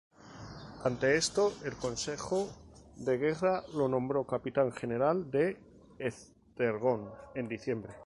Ante esto, el consejo de guerra lo nombró capitán general de Esztergom en diciembre.